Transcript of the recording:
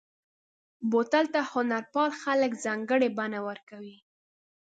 بوتل ته هنرپال خلک ځانګړې بڼه ورکوي.